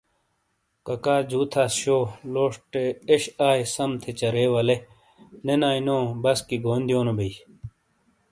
ککا جو تھاس شو لوشٹے ایش آئے سم تھے چرے ولے نے نائی نو بسکی گون دیونو بے ۔